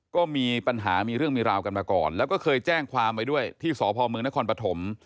ก็มีปัญหามีเรื่องมีราวกันมาก่อนแล้วก็เคยแจ้งความไว้ด้วยที่สพมนครปฐม